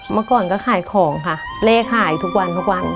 เมื่อก่อนก็ขายของค่ะเลขขายทุกวันทุกวัน